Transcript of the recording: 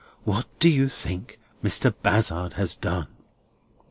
What do you think Mr. Bazzard has done?"